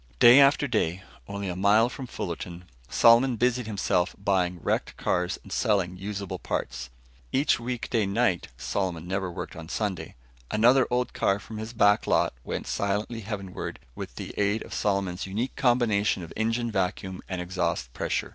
Day after day, only a mile from Fullerton, Solomon busied himself buying wrecked cars and selling usable parts. Each weekday night Solomon never worked on Sunday another old car from his back lot went silently heavenward with the aid of Solomon's unique combination of engine vacuum and exhaust pressure.